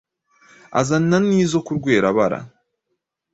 Azana n'izo ku Rwera-bara